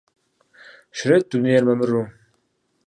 Щрет дунейр мамыру!